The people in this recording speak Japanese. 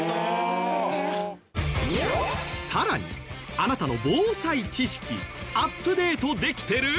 更にあなたの防災知識アップデートできてる？